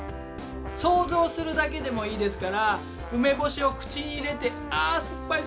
想像するだけでもいいですから梅干しを口に入れてあ酸っぱい酸っぱい酸っぱい。